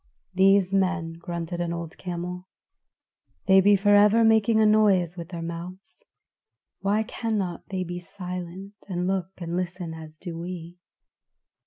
"These men," grunted an old camel, "they be forever making a noise with their mouths; why cannot they be silent, and look and listen as do we?"